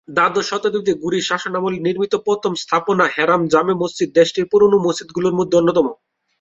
দ্বাদশ শতাব্দীতে ঘুরি শাসনামলে নির্মিত প্রথম স্থাপনা হেরাত জামে মসজিদ দেশটির পুরনো মসজিদগুলোর মধ্যে অন্যতম।